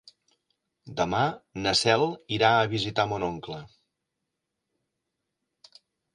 Demà na Cel irà a visitar mon oncle.